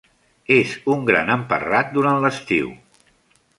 És un gran emparrat durant l'estiu.